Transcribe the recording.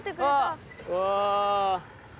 うわ。